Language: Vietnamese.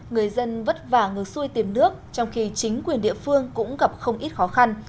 người dân vất vả ngược xuôi tìm nước trong khi chính quyền địa phương cũng gặp không ít khó khăn